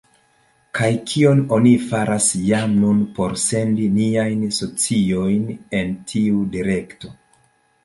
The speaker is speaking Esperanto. Kaj kion oni faras jam nun por sendi niajn sociojn en tiu direkto?